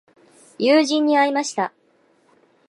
友人に会いました。